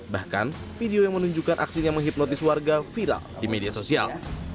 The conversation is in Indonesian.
bahkan video yang menunjukkan aksinya menghipnotis warga viral di media sosial